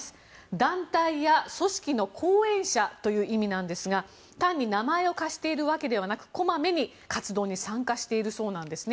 団体や組織の後援者という意味なんですが単に名前を貸しているわけではなくこまめに活動に参加しているそうなんですね。